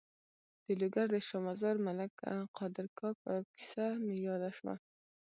د لوګر د شا مزار ملک قادر کاکا کیسه مې یاده شوه.